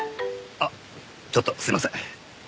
あっちょっとすみません。